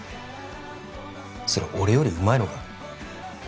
それ俺よりうまいのか？